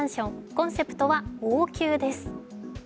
コンセプトは王宮です。